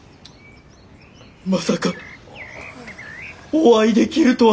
まさかお会いできるとは！